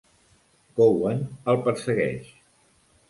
Cowan el persegueix.